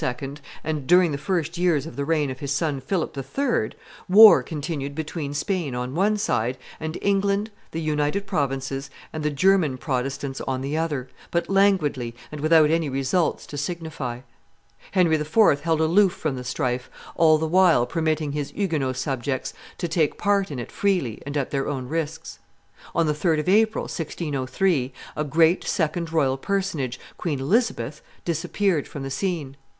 and during the first years of the reign of his son Philip III., war continued between Spain on one side, and England, the United Provinces, and the German Protestants on the other, but languidly and without any results to signify. Henry IV. held aloof from the strife, all the while permitting his Huguenot subjects to take part in it freely and at their own risks. On the 3d of April, 1603, a second great royal personage, Queen Elizabeth, disappeared from the scene.